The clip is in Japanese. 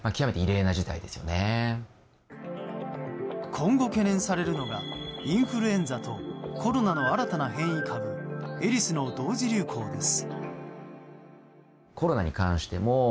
今後、懸念されるのがインフルエンザとコロナの新たな変異株エリスの同時流行です。